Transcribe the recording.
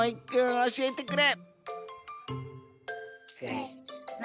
おしえてくれ。